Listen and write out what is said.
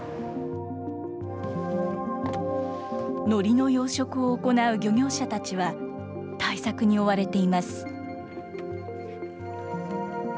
のりの養殖を行う漁業者たちは、対策に追われています。